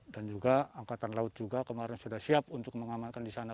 dan juga angkatan laut juga kemarin sudah siap untuk mengamankan di sana